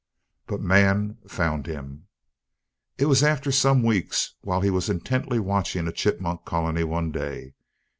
But Man found him. It was after some weeks, while he was intently watching a chipmunk colony one day.